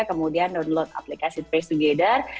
kemudian download aplikasi facetogether